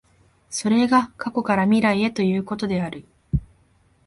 それが過去から未来へということである。